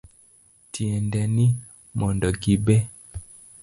Tiende ni, mondo gibe